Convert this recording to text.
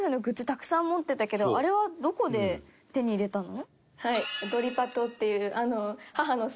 たくさん持ってたけどあれはどこで手に入れたの？